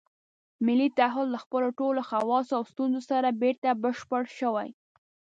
ملي تعهُد له خپلو ټولو خواصو او سنتونو سره بېرته بشپړ شوی.